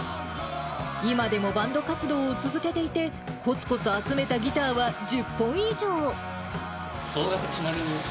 今でもバンド活動を続けていて、こつこつ集めたギターは１０本以総額、ちなみに？